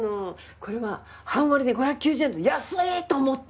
これは半割で５９０円で安いと思って。